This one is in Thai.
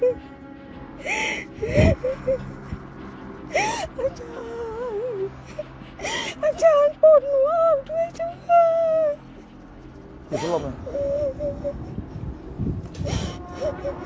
อาจารย์อาจารย์ปลูกหลวงด้วยช่วย